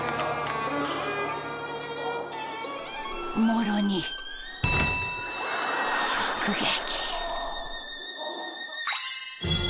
もろに直撃。